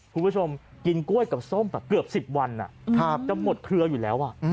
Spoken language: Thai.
คุณผู้ชมกินกล้วยกับส้มแบบเกือบ๑๐วันจะหมดเครืออยู่แล้ว